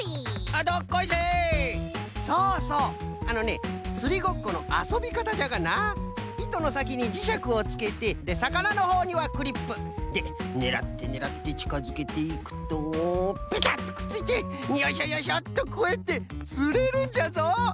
そうそうあのねつりごっこのあそびかたじゃがないとのさきにじしゃくをつけてでさかなのほうにはクリップ。でねらってねらってちかづけていくとピタッとくっついてよいしょよいしょとこうやってつれるんじゃぞ！